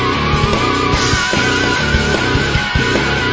ดีดี